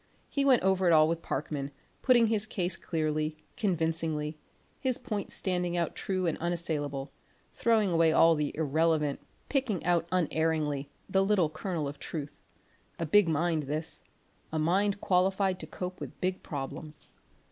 He went over it all with Parkman, putting his case clearly, convincingly, his points standing out true and unassailable; throwing away all the irrelevant, picking out unerringly, the little kernel of truth; a big mind this, a mind qualified to cope with big problems.